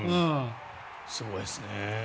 すごいですね。